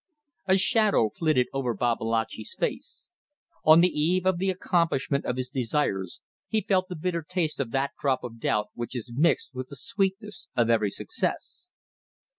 A shadow flitted over Babalatchi's face. On the eve of the accomplishment of his desires he felt the bitter taste of that drop of doubt which is mixed with the sweetness of every success.